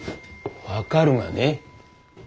分かるがね。